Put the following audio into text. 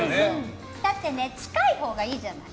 だってね近いほうがいいじゃない。